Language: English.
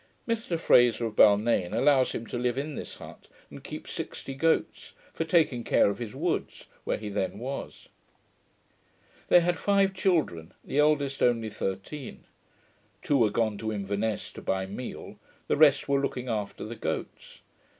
Mr Fraser of Balnain allows him to live in this hut, and keep sixty goats, for taking care of his woods, where he then was. They had five children, the eldest only thirteen. Two were gone to Inverness to buy meal; the rest were looking after the goats.